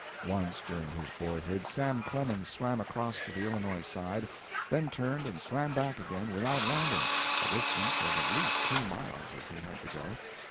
Once, during his boyhood, Sam Clemens swam across to the Illinois side, then turned and swam back again without landing, a distance of at least two miles as he had to go.